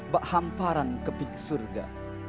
bahamparan kebing surga